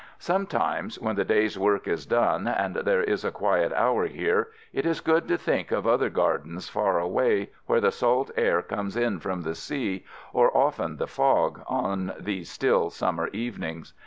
Sometimes — when the day's work is done — and there is a quiet hour here, it is good to think of other gardens far away where the salt air comes in from the sea — or often the fog, on these still summer evenings.